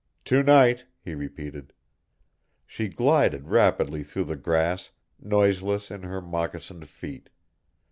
"To night," he repeated. She glided rapidly through the grass, noiseless in her moccasined feet.